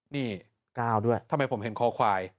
นี่๙ด้วยทำไมผมเห็นคอควาย